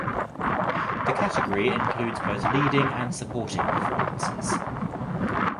The category includes both leading and supporting performances.